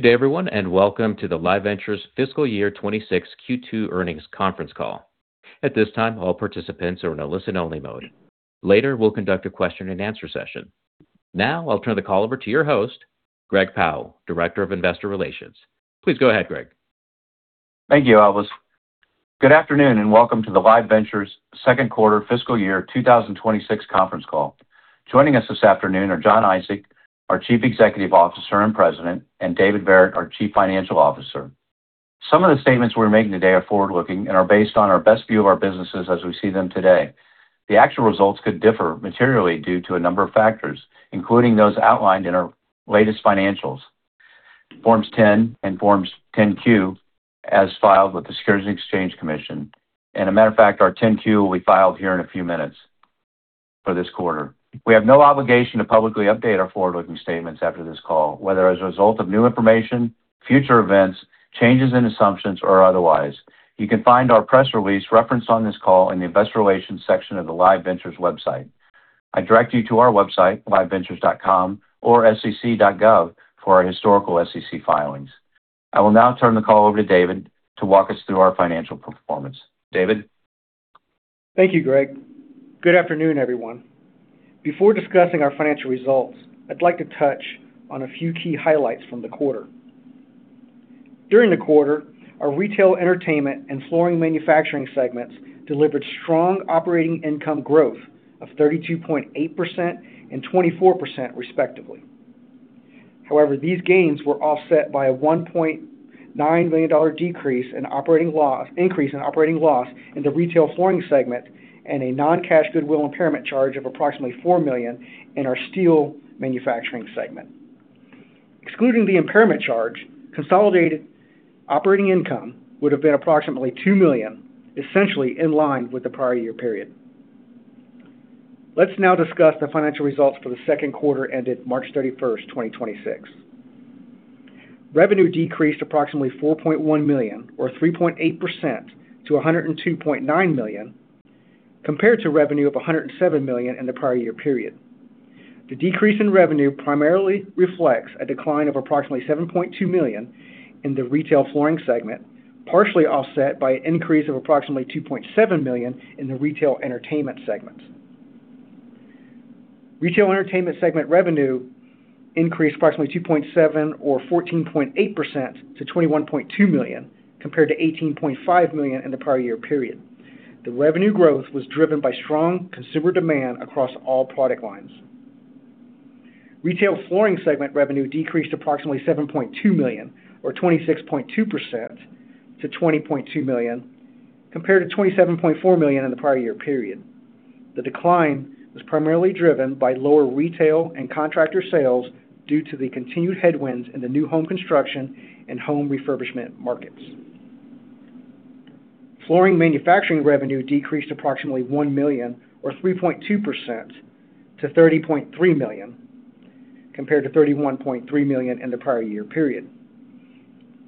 Good day, everyone, and welcome to the Live Ventures Fiscal Year 2026 Q2 earnings conference call. At this time, all participants are in a listen-only mode. Later, we'll conduct a question-and-answer session. Now I'll turn the call over to your host, Greg Powell, Director of Investor Relations. Please go ahead, Greg. Thank you, Elvis. Good afternoon, and welcome to the Live Ventures Second-Quarter Fiscal Year 2026 conference call. Joining us this afternoon are Jon Isaac, our Chief Executive Officer and President, and David Verret, our Chief Financial Officer. Some of the statements we're making today are forward-looking and are based on our best view of our businesses as we see them today. The actual results could differ materially due to a number of factors, including those outlined in our latest financials, Forms 10-K and Forms 10-Q, as filed with the Securities and Exchange Commission. A matter of fact, our Form 10-Q will be filed here in a few minutes for this quarter. We have no obligation to publicly update our forward-looking statements after this call, whether as a result of new information, future events, changes in assumptions, or otherwise. You can find our press release referenced on this call in the investor relations section of the Live Ventures website. I direct you to our website, liveventures.com or sec.gov for our historical SEC filings. I will now turn the call over to David to walk us through our financial performance. David? Thank you, Greg. Good afternoon, everyone. Before discussing our financial results, I'd like to touch on a few key highlights from the quarter. During the quarter, our Retail-Entertainment and Flooring Manufacturing segments delivered strong operating income growth of 32.8% and 24%, respectively. However, these gains were offset by a $1.9 million increase in operating loss in the Retail-Flooring segment and a non-cash goodwill impairment charge of approximately $4 million in our Steel Manufacturing segment. Excluding the impairment charge, consolidated operating income would have been approximately $2 million, essentially in line with the prior-year period. Let's now discuss the financial results for the second quarter ended March 31st, 2026. Revenue decreased approximately $4.1 million or 3.8% to $102.9 million compared to revenue of $107 million in the prior-year period. The decrease in revenue primarily reflects a decline of approximately $7.2 million in the Retail-Flooring segment, partially offset by an increase of approximately $2.7 million in the Retail-Entertainment segment. Retail-Entertainment segment revenue increased approximately $2.7 million or 14.8% to $21.2 million compared to $18.5 million in the prior-year period. The revenue growth was driven by strong consumer demand across all product lines. Retail-Flooring segment revenue decreased approximately $7.2 million or 26.2% to $20.2 million compared to $27.4 million in the prior-year period. The decline was primarily driven by lower retail and contractor sales due to the continued headwinds in the new home construction and home refurbishment markets. Flooring Manufacturing revenue decreased approximately $1 million or 3.2% to $30.3 million compared to $31.3 million in the prior-year period.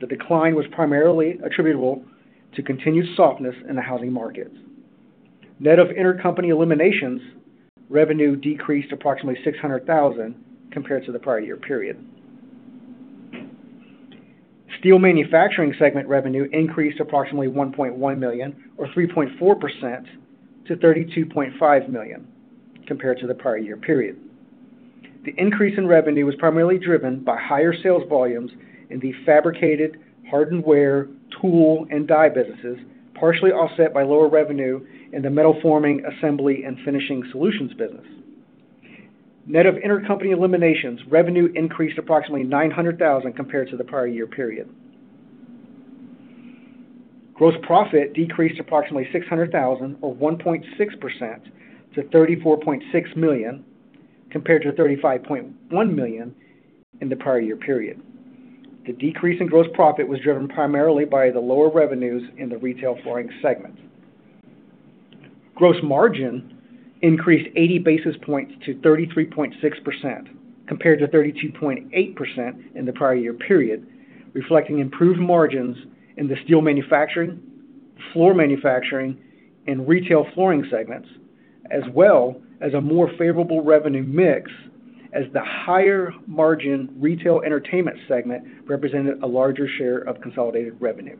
The decline was primarily attributable to continued softness in the housing market. Net of intercompany eliminations, revenue decreased approximately $600,000 compared to the prior-year period. Steel Manufacturing segment revenue increased approximately $1.1 million or 3.4% to $32.5 million compared to the prior-year period. The increase in revenue was primarily driven by higher sales volumes in the fabricated hardened wear, tool, and die businesses, partially offset by lower revenue in the metal forming, assembly, and finishing solutions business. Net of intercompany eliminations, revenue increased approximately $900,000 compared to the prior-year period. Gross profit decreased approximately $600,000 or 1.6% to $34.6 million compared to $35.1 million in the prior-year period. The decrease in gross profit was driven primarily by the lower revenues in the Retail-Flooring segment. Gross margin increased 80 basis points to 33.6% compared to 32.8% in the prior-year period, reflecting improved margins in the Steel Manufacturing, Flooring Manufacturing, and Retail-Flooring segments, as well as a more favorable revenue mix as the higher margin Retail-Entertainment segment represented a larger share of consolidated revenue.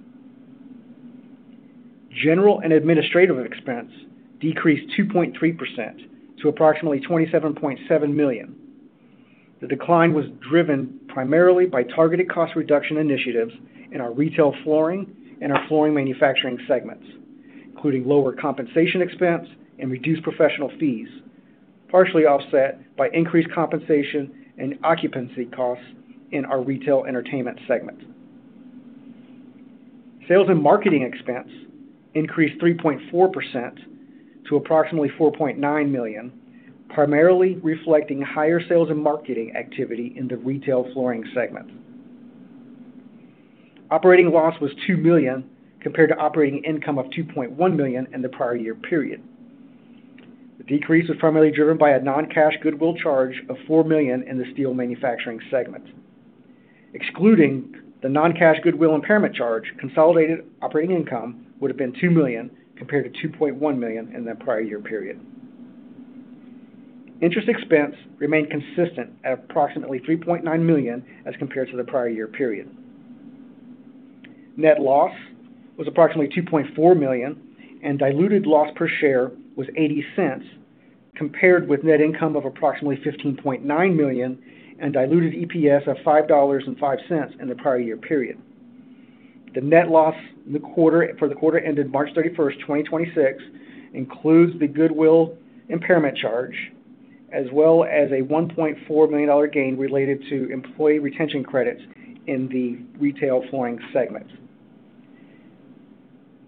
General and administrative expense decreased 2.3% to approximately $27.7 million. The decline was driven primarily by targeted cost reduction initiatives in our Retail-Flooring and our Flooring Manufacturing segments, including lower compensation expense and reduced professional fees, partially offset by increased compensation and occupancy costs in our Retail-Entertainment segment. Sales and marketing expense increased 3.4% to approximately $4.9 million, primarily reflecting higher sales and marketing activity in the Retail-Flooring segment. Operating loss was $2 million compared to operating income of $2.1 million in the prior-year period. The decrease was primarily driven by a non-cash goodwill charge of $4 million in the Steel Manufacturing segment. Excluding the non-cash goodwill impairment charge, consolidated operating income would have been $2 million compared to $2.1 million in the prior-year period. Interest expense remained consistent at approximately $3.9 million as compared to the prior-year period. Net loss was approximately $2.4 million, and diluted loss per share was $0.80 compared with net income of approximately $15.9 million and diluted EPS of $5.05 in the prior-year period. The net loss for the quarter ended March 31st, 2026 includes the goodwill impairment charge as well as a $1.4 million gain related to employee retention credits in the Retail-Flooring segment.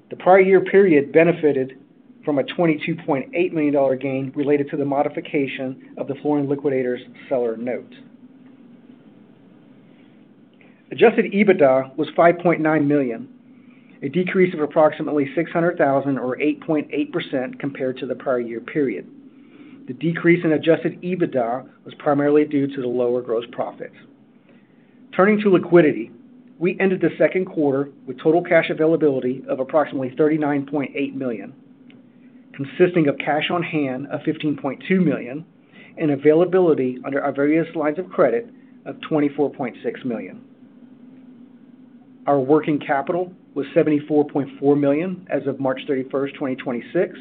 The prior-year period benefited from a $22.8 million gain related to the modification of the Flooring Liquidators seller note. Adjusted EBITDA was $5.9 million, a decrease of approximately $600,000 or 8.8% compared to the prior-year period. The decrease in adjusted EBITDA was primarily due to the lower gross profits. Turning to liquidity, we ended the second quarter with total cash availability of approximately $39.8 million, consisting of cash on hand of $15.2 million and availability under our various lines of credit of $24.6 million. Our working capital was $74.4 million as of March 31st, 2026,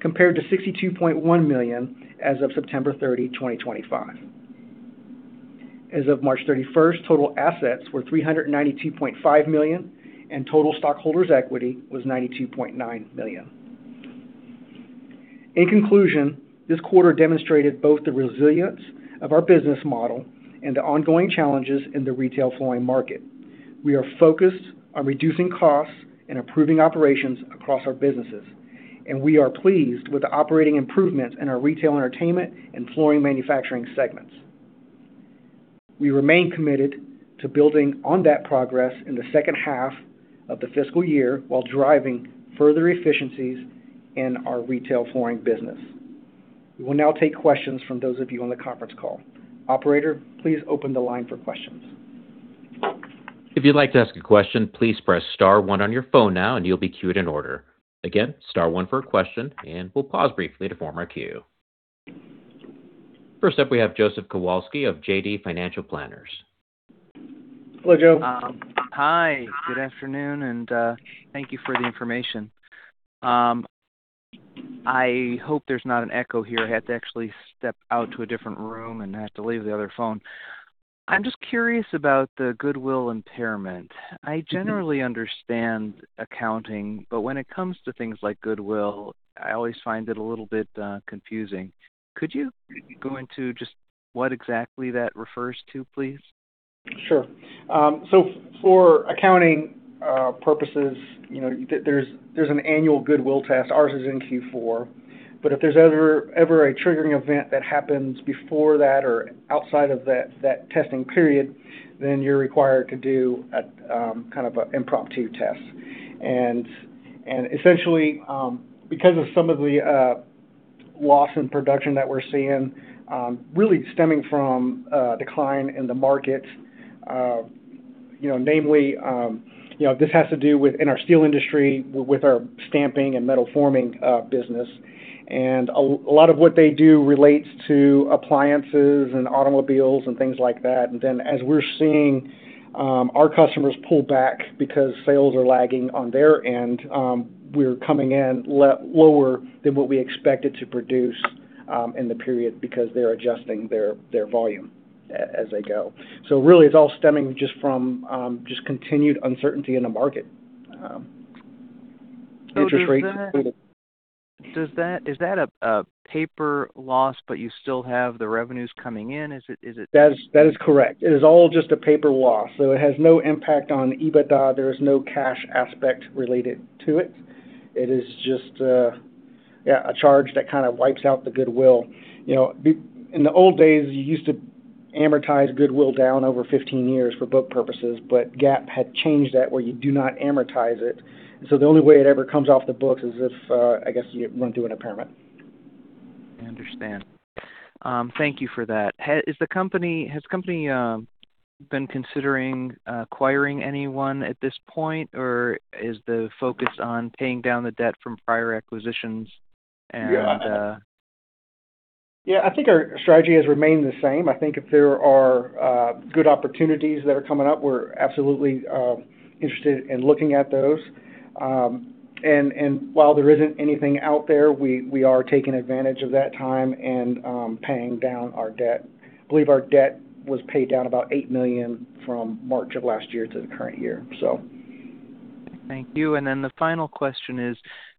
compared to $62.1 million as of September 30, 2025. As of March 31st, total assets were $392.5 million, and total stockholders' equity was $92.9 million. In conclusion, this quarter demonstrated both the resilience of our business model and the ongoing challenges in the retail flooring market. We are focused on reducing costs and improving operations across our businesses, and we are pleased with the operating improvements in our Retail-Entertainment and Flooring Manufacturing segments. We remain committed to building on that progress in the second half of the fiscal year while driving further efficiencies in our Retail-Flooring business. We will now take questions from those of you on the conference call. Operator, please open the line for questions. If you'd like to ask a question, please press star one on your phone now and you'll be queued in order. Again, star one for a question, and we'll pause briefly to form our queue. First up, we have Joseph Kowalsky of JD Financial Planners. Hello, Joe. Hi. Good afternoon, and thank you for the information. I hope there's not an echo here. I had to actually step out to a different room and had to leave the other phone. I'm just curious about the goodwill impairment. I generally understand accounting, but when it comes to things like goodwill, I always find it a little bit confusing. Could you go into just what exactly that refers to, please? Sure. For accounting purposes, you know, there's an annual goodwill test. Ours is in Q4. If there's ever a triggering event that happens before that or outside of that testing period, then you're required to do a kind of a impromptu test. Essentially, because of some of the loss in production that we're seeing, really stemming from a decline in the market, you know, namely, you know, this has to do with in our Steel Manufacturing with our stamping and metal forming business. A lot of what they do relates to appliances and automobiles and things like that. As we're seeing, our customers pull back because sales are lagging on their end, we're coming in lower than what we expected to produce in the period because they're adjusting their volume as they go. Really it's all stemming just from continued uncertainty in the market. Is that a paper loss, but you still have the revenues coming in? That is correct. It is all just a paper loss. It has no impact on EBITDA. There is no cash aspect related to it. It is just a charge that kinda wipes out the goodwill. You know, in the old days, you used to amortize goodwill down over 15 years for book purposes. GAAP had changed that where you do not amortize it. The only way it ever comes off the books is if, I guess, you run through an impairment. I understand. Thank you for that. Has the company been considering acquiring anyone at this point, or is the focus on paying down the debt from prior acquisitions? Yeah, I think our strategy has remained the same. I think if there are good opportunities that are coming up, we're absolutely interested in looking at those. While there isn't anything out there, we are taking advantage of that time and paying down our debt. I believe our debt was paid down about $8 million from March of last year to the current year, so. Thank you. Then the final question is,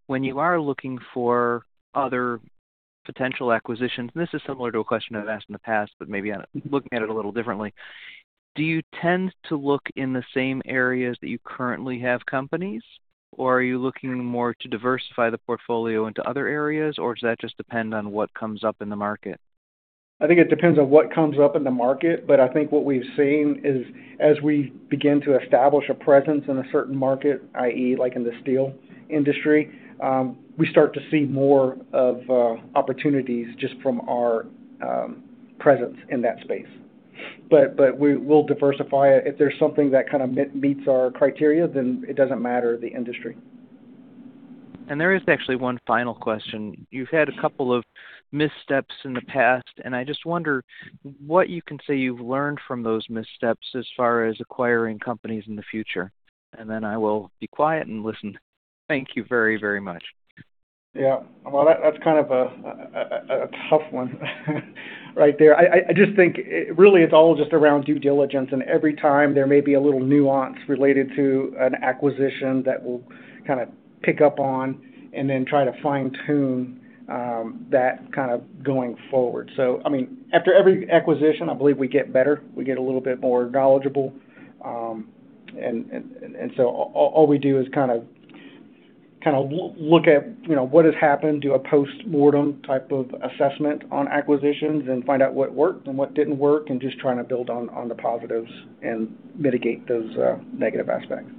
when you are looking for other potential acquisitions, this is similar to a question I've asked in the past, maybe I'm looking at it a little differently. Do you tend to look in the same areas that you currently have companies, or are you looking more to diversify the portfolio into other areas, or does that just depend on what comes up in the market? I think it depends on what comes up in the market, but I think what we've seen is as we begin to establish a presence in a certain market, i.e. like in the steel industry, we start to see more of opportunities just from our presence in that space. We will diversify. If there's something that kinda meets our criteria, then it doesn't matter the industry. There is actually one final question. You've had a couple of missteps in the past, and I just wonder what you can say you've learned from those missteps as far as acquiring companies in the future. Then I will be quiet and listen. Thank you very, very much. Well, that's kind of a tough one right there. I just think, really, it's all just around due diligence. Every time there may be a little nuance related to an acquisition that we'll kind of pick up on and then try to fine-tune that kind of going forward. I mean, after every acquisition, I believe we get better. We get a little bit more knowledgeable. All we do is kind of look at, you know, what has happened, do a postmortem type of assessment on acquisitions and find out what worked and what didn't work. Just trying to build on the positives and mitigate those negative aspects.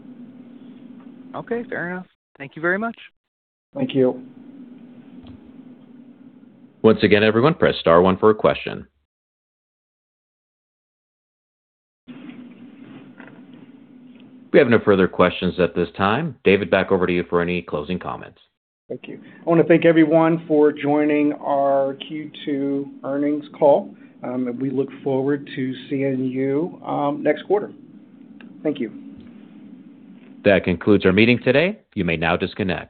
Okay, fair enough. Thank you very much. Thank you. Once again, everyone, press star one for a question. We have no further questions at this time. David, back over to you for any closing comments. Thank you. I wanna thank everyone for joining our Q2 earnings call. We look forward to seeing you next quarter. Thank you. That concludes our meeting today. You may now disconnect.